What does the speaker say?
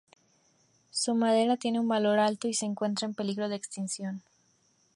Su madera tiene un valor alto, y se encuentra en peligro de extinción.